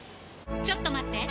ちょっと待って！